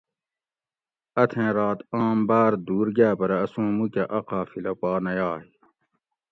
اتھیں رات آم باۤر دور گاۤ پرہ اسوں موُکہ اَ قافلہ پا نہ یائ